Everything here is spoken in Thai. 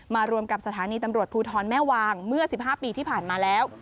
รวมกับสถานีตำรวจภูทรแม่วางเมื่อ๑๕ปีที่ผ่านมาแล้ว